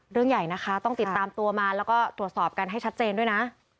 เรื่องใหญ่นะคะต้องติดตามตัวมาแล้วก็ตรวจสอบกันให้ชัดเจนด้วยนะ